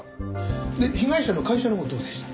で被害者の会社のほうはどうでした？